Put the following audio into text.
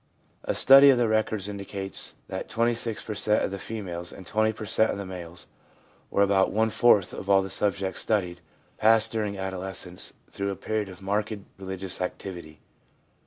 A study of the records indicates that 26 per cent, of the females and 20 per cent of the males, or about one fourth of all the subjects studied, pass, dur ing adolescence, through a period of marked religious activity.